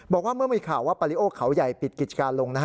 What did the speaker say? บอกว่าเมื่อมีข่าวว่าปาริโอเขาใหญ่ปิดกิจการลง